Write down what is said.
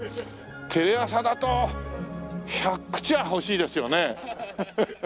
テレ朝だと１００口は欲しいですよね。